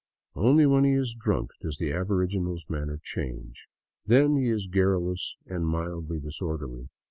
Only when he is drunk does the aboriginal's man ner change. Then he is garrulous and mildly disorderly.